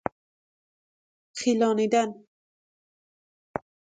خیلانیدن